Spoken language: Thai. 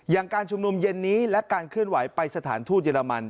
การชุมนุมเย็นนี้และการเคลื่อนไหวไปสถานทูตเยอรมัน